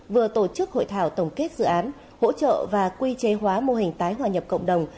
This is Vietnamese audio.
vừa tổ chức hội thảo tổng kết dự án hỗ trợ và quy chế hóa mô hình tái hòa nhập cộng đồng